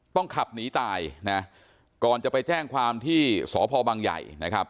ต้องขับหนีตายนะก่อนจะไปแจ้งความที่สพบังใหญ่นะครับ